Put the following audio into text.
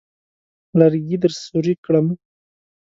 لرګي درسوري کړم.